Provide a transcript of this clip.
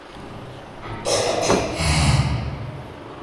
ee na na inapokuwa ni kesi kama hii ya madawa ya kulevya